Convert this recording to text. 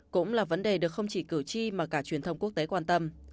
cũng là vấn đề được không chỉ cử tri mà cả truyền thông quốc tế quan tâm